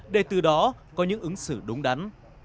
để từ đó có những ứng xử đúng đắn